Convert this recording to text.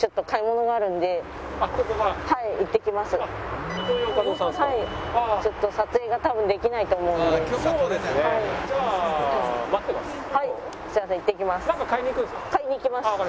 買いに行きます。